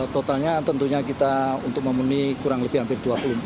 totalnya tentunya kita untuk memenuhi kurang lebih hampir dua puluh